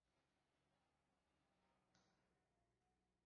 Nitenti d tizzyiwin yid-went.